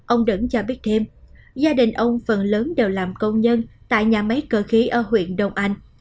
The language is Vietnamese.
ông đẫn cho biết thêm gia đình ông phần lớn đều làm công nhân tại nhà máy cơ khí ở huyện đông anh